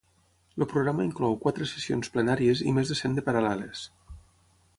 El programa inclou quatre sessions plenàries i més de cent de paral·leles.